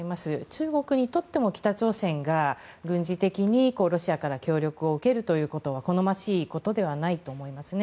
中国にとっても、北朝鮮が軍事的にロシアから協力を受けるということは好ましいことではないと思いますね。